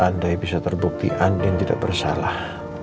andai bisa terbukti andien tidak bersalah